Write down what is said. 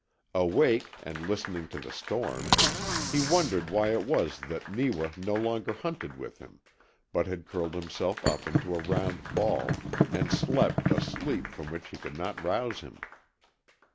Awake, and listening to the storm, he wondered why it was that Neewa no longer hunted with him, but had curled himself up into a round ball, and slept a sleep from which he could not rouse him.